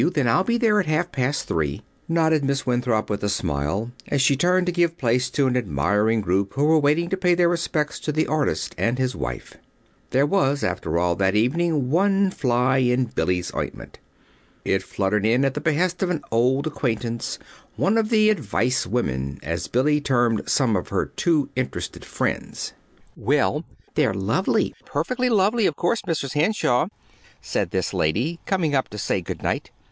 Then I'll be there at half past three," nodded Miss Winthrop, with a smile, as she turned to give place to an admiring group, who were waiting to pay their respects to the artist and his wife. There was, after all, that evening, one fly in Billy's ointment. It fluttered in at the behest of an old acquaintance one of the "advice women," as Billy termed some of her too interested friends. "Well, they're lovely, perfectly lovely, of course, Mrs. Henshaw," said this lady, coming up to say good night.